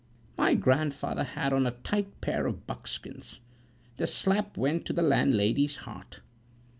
"My grandfather had on a tight pair of buckskins the slap went to the landlady's heart.